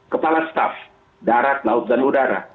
kepala staf darat laut dan udara